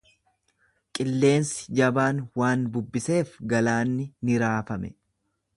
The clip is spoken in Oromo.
Qilleensi jabaan waan bubbiseef galaanni ni raafame.